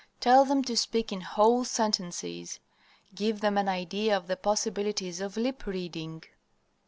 Tell them to speak in whole sentences. Give them an idea of the possibilities of lip reading.